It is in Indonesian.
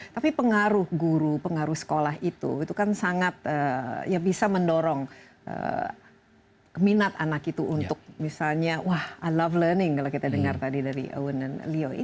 tapi pengaruh guru pengaruh sekolah itu itu kan sangat ya bisa mendorong minat anak itu untuk misalnya wah a love learning kalau kita dengar tadi dari owen dan lio ini